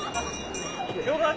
よかった！